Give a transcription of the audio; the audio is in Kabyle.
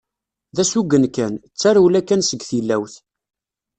D asugen kan, d tarewla kan seg tillawt.